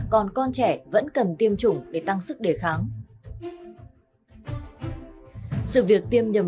còn con trẻ vẫn cần tiêm chủng để tăng sức khỏe